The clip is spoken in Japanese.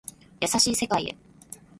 優しい世界へ